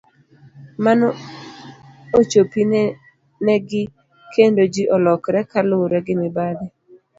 Mano ochopi ne gi kendo ji olokre ka luwre gi mibadhi.